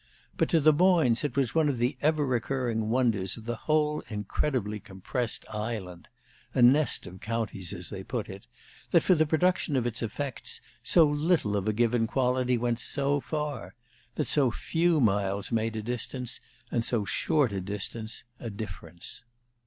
But to the Boynes it was one of the ever recurring wonders of the whole incredibly compressed island a nest of counties, as they put it that for the production of its effects so little of a given quality went so far: that so few miles made a distance, and so short a distance a difference.